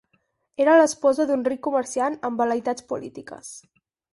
Era l'esposa d'un ric comerciant amb vel·leïtats polítiques.